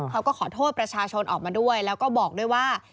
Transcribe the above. เขาก็ขอโทษประชาชนออกมาด้วยแล้วก็บอกด้วยว่า